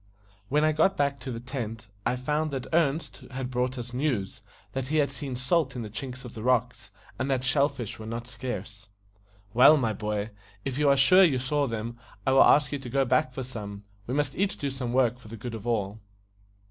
When I got back to the tent, I found that Ernest had brought us news that he had seen salt in the chinks of the rocks, and that shell fish were not scarce. "Well, my boy, if you are sure you saw them, I will ask you to go back for some. We must each do some work for the good of all."